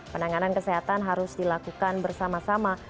penanganan kesehatan harus dilakukan bersama sama